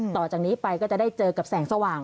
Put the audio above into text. ต่อจากนี้ไปก็จะได้เจอกับแสงสว่าง